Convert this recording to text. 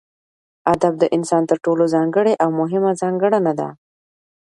ادب دانسان تر ټولو ځانګړې او مهمه ځانګړنه ده